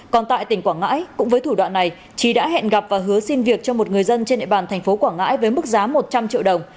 còn tại tỉnh quảng ngãi cũng với thủ đoạn này trí đã hẹn gặp và hứa xin việc cho một người dân trên địa bàn thành phố quảng ngãi với mức giá một trăm linh triệu đồng